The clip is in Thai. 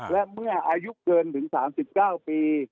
และเมื่ออายุเกินถึง๓๙ปี